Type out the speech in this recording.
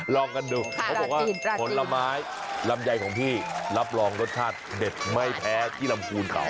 ลองกันดูเขาบอกว่าผลไม้ลำไยของพี่รับรองรสชาติเด็ดไม่แพ้ที่ลำพูนเขา